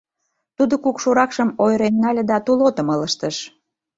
Тудо кукшыракшым ойырен нале да тулотым ылыжтыш.